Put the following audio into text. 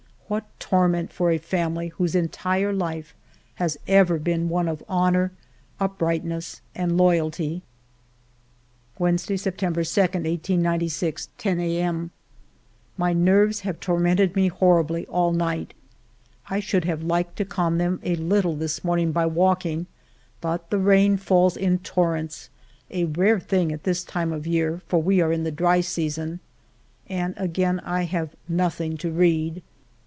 What torment for a family whose entire life has ever been one of honor, uprightness, and loyalty ! Wednesday, September 2, 1896, \o A. M. My nerves have tormented me horribly all night ; I should have liked to calm them a little this morning by walking, but the rain falls in torrents, — a rare thing at this time of the year, for we are in the dry season. And again I have nothing to read.